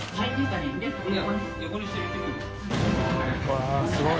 わぁすごい。